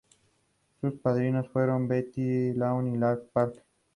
Sus padrinos fueron Betty Garrett y Larry Parks.